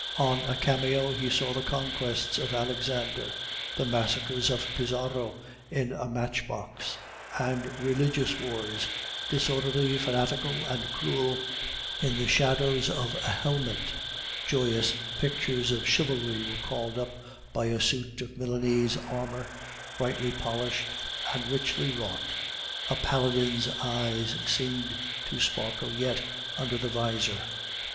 On a cameo he saw the conquests of Alexander, the massacres of Pizarro in a matchbox, and religious wars disorderly, fanatical, and cruel, in the shadows of a helmet. Joyous pictures of chivalry were called up by a suit of Milanese armor, brightly polished and richly wrought; a paladin's eyes seemed to sparkle yet under the visor.